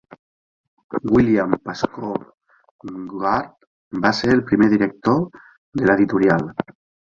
William Pascoe Goard va ser el primer director de l'editorial